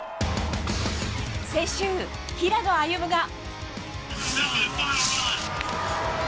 先週、平野歩夢が。